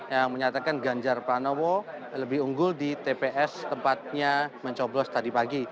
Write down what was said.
yang menyatakan ganjar pranowo lebih unggul di tps tempatnya mencoblos tadi pagi